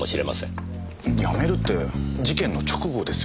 辞めるって事件の直後ですよね。